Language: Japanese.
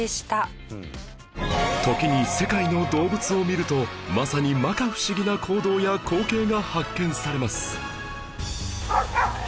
時に世界の動物を見るとまさに摩訶不思議な行動や光景が発見されます